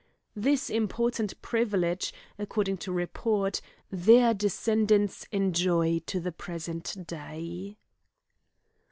This important privilege, according to report, their descendants enjoy to the present day.